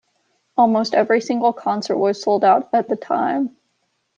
Almost every single concert was sold out at the time.